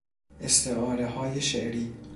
استعارههای شعری